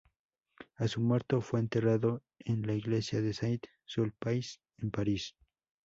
A su muerte, fue enterrado en la Iglesia de Saint-Sulpice, en París.